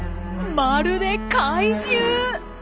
まるで怪獣！